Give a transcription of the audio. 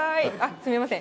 すみません。